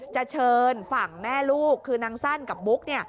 จะเชิญฝั่งแม่ลูกคือนางสั้นกับบุ๊ก